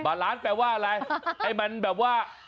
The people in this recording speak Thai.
ล้านแปลว่าอะไรให้มันแบบว่า